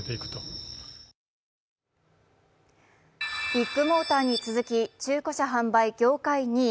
ビッグモーターに続き中古車販売業界２位